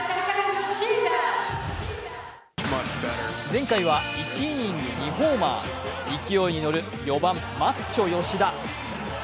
前回は１イニング２ホーマー勢いに乗る４番・マッチョ吉田。